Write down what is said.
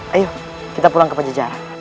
ayo kita pulang ke pajejara